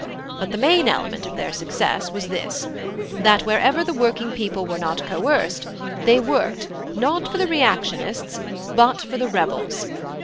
But the main element of their success was this, that wherever the working people were not coerced, they worked, not for the reactionists, but for 'the rebels.'